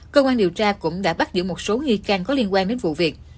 cơ quan điều tra cũng đã bắt giữ một số nghi can có liên quan đến vụ việc